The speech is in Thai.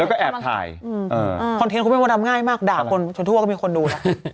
แล้วก็แอบถ่ายอืออยู่คอนเทนต์คุณแม่แต่งง่ายมากด่าคนจนทั่วก็มีคนดู